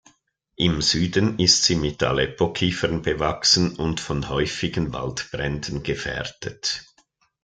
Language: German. Im Süden ist sie mit Aleppo-Kiefern bewachsen und von häufigen Waldbränden gefährdet.